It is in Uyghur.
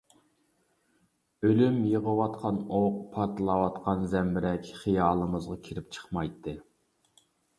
ئۆلۈم، يىغىۋاتقان ئوق، پارتلاۋاتقان زەمبىرەك خىيالىمىزغا كىرىپ چىقمايتتى.